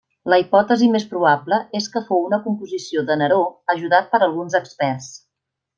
La hipòtesi més probable és que fou una composició de Neró ajudat per alguns experts.